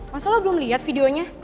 masa lo belum liat videonya